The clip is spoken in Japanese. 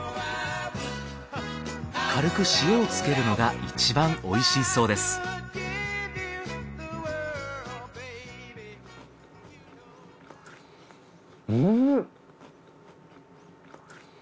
軽く塩をつけるのがいちばんおいしいそうですん。